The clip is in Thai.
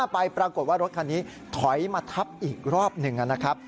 ไปปรากฏว่ารถคันนี้ถอยมาทับอีกรอบหนึ่งนะครับ